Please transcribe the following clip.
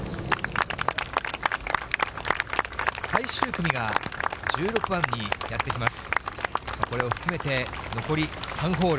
最終組が１６番にやって来ます。